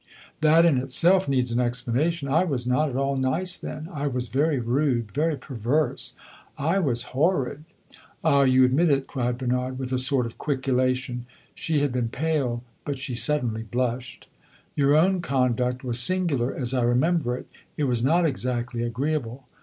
"That in itself needs an explanation. I was not at all nice then I was very rude, very perverse. I was horrid!" "Ah, you admit it!" cried Bernard, with a sort of quick elation. She had been pale, but she suddenly blushed. "Your own conduct was singular, as I remember it. It was not exactly agreeable."